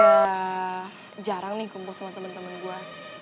udah jarang nih kumpul sama temen temen gue